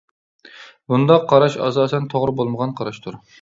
بۇنداق قاراش ئاساسەن توغرا بولمىغان قاراشتۇر.